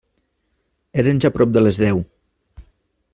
Eren ja prop de les deu.